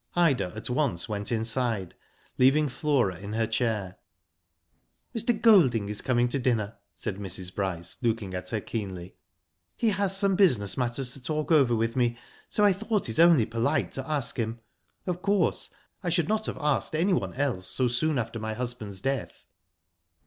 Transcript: Ida at once went inside, leaving Flora in her chair. " Mr. Golding is coming to dinner," said Mrs. Bryce, looking at her keenly. *' He has some business matters to talk over with me, so I thought it only polite to ask him. Of course, I should not have asked ^nyone else so soon after my husband's death."